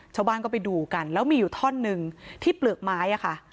ชาวบ้านก็ไปดูกันแล้วมีอยู่ท่อนหนึ่งที่เปลือกไม้อะค่ะ